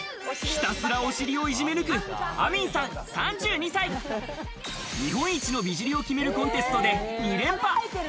ひたすらお尻をいじめ抜く、アミンさん３２歳日本一の美尻を決めるコンテストで２連覇。